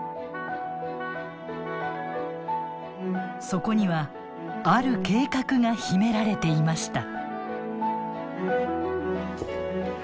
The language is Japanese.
そこにはある計画が秘められていました。